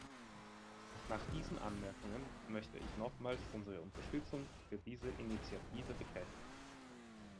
Nach diesen Anmerkungen möchte ich nochmals unsere Unterstützung für diese Initiative bekräftigen.